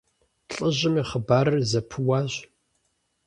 ЛӀыжьым и хъыбарыр зэпыуащ.